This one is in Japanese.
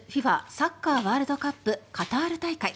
サッカーワールドカップカタール大会。